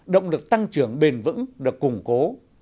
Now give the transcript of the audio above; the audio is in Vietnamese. động lực tăng trưởng bền vững được củng cố